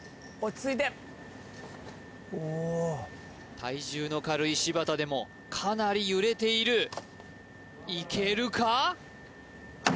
体重の軽い柴田でもかなり揺れているいけるか？